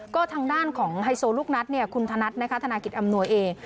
ก็ทางด้านของไฮโซลูกนัดคุณธนัดนะคะธนากิจอำนวยเอง